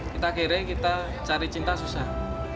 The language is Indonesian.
kita gereng kita cari cinta susah